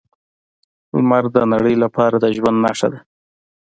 لمر د نړۍ لپاره د ژوند نښه ده.